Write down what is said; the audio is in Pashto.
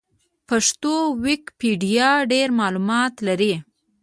پښتو ويکيپېډيا ډېر معلومات لري.